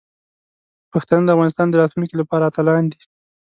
پښتانه د افغانستان د راتلونکي لپاره اتلان دي.